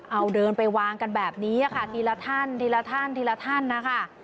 เอาเดินไปวางกันแบบนี้ค่ะทีละท่านทีละท่านทีละท่านนะคะ